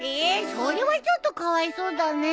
それはちょっとかわいそうだねえ。